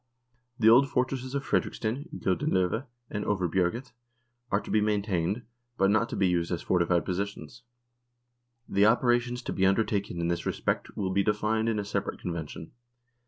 The old fortresses of Fredriksten, Gylden love, and Overbjerget are to be maintained, but not to be used as fortified positions. The operations to be undertaken in this respect will be defined in a separate convention.